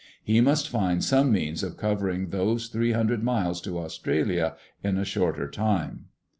He must find some means of covering those three hundred miles to Australia in a shorter time.